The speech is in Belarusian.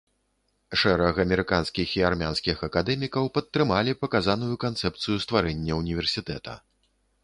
Шэраг амерыканскіх і армянскіх акадэмікаў падтрымалі паказаную канцэпцыю стварэння ўніверсітэта.